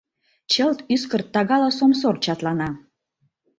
Чылт ӱскырт тагала сомсор чатлана